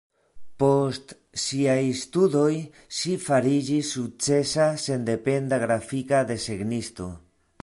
Post siaj studoj ŝi fariĝis sukcesa sendependa grafika desegnisto.